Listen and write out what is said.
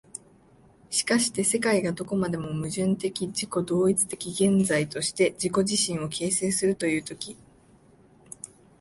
しかして世界がどこまでも矛盾的自己同一的現在として自己自身を形成するという時、